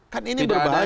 kan ini berbahaya